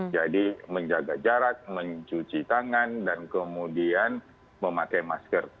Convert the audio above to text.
jadi menjaga jarak mencuci tangan dan kemudian memakai masker